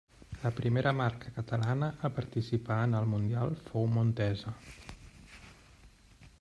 La primera marca catalana a participar en el mundial fou Montesa.